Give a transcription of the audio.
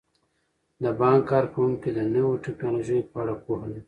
د بانک کارکوونکي د نویو ټیکنالوژیو په اړه پوهه لري.